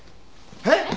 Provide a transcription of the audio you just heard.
えっ！？